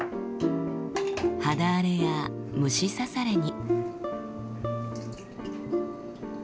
肌荒れや虫刺されに。